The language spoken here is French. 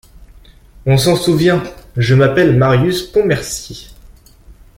On s’en souvient: « Je m’appelle Marius Pontmercy.